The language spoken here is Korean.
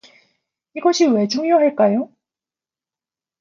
이것이 왜 중요할까요?